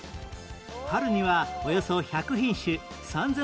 春にはおよそ１００品種３０００